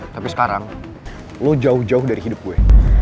tapi sekarang lo jauh jauh dari hidup gue